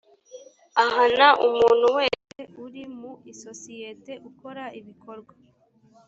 ahana umuntu wese uri mu isosiyete ukora ibikorwa